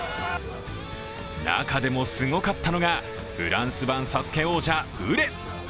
中でもすごかったのが、フランス版「ＳＡＳＵＫＥ」王者・ウレ。